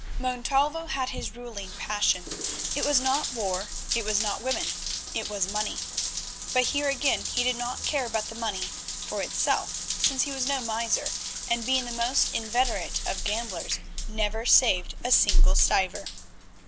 Montalvo had his ruling passion; it was not war, it was not women; it was money. But here again he did not care about the money for itself, since he was no miser, and being the most inveterate of gamblers never saved a single stiver.